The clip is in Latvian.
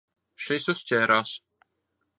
Šis uzķērās.